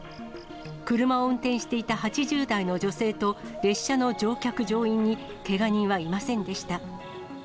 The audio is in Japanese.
車を運転していた８０代の女性と列車の乗客・乗員にけが人はいませんでした。